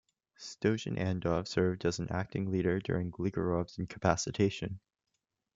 Stojan Andov served as acting leader during Gligorov's incapacitation.